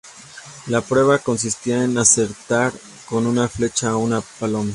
La prueba consistía en acertar con una flecha a una paloma.